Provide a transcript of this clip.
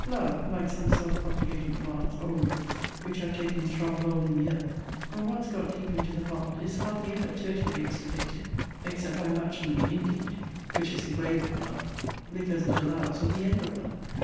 Love, like some self propagating plants, or roots, (which have taken strong hold in the earth) when once got deep into the heart, is hardly ever totally extirpated, except by matrimony indeed, which is the grave of love, because it allows of the end of love.